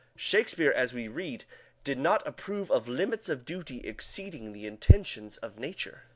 Shakespeare, as we read, did not approve of limits of duty exceeding the intentions of nature.